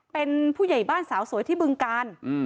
เป็นผู้ใหญ่บ้านสาวสวยที่บึงกาล